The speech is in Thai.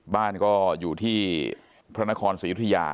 บ้านก็อยู่ที่พระนครศรียุธยา